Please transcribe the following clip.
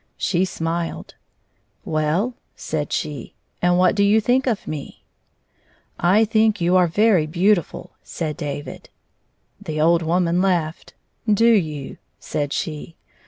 She smiled. "Well/* said she ;" and what do you think of me 1 "" I think you are very beautifiil," said David. The old woman laughed. "Do youl'' said she.